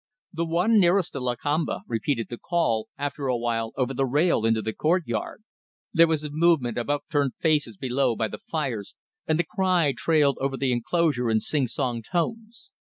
The one nearest to Lakamba repeated the call, after a while, over the rail into the courtyard. There was a movement of upturned faces below by the fires, and the cry trailed over the enclosure in sing song tones.